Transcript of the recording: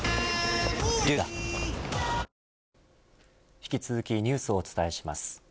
引き続きニュースをお伝えします。